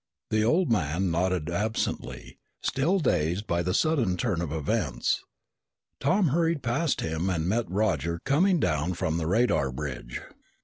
The old man nodded absently, still dazed by the sudden turn of events. Tom hurried past him and met Roger coming down from the radar bridge.